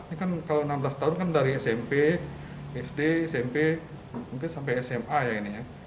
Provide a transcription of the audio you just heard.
ini kan kalau enam belas tahun kan dari smp sd smp mungkin sampai sma ya ini ya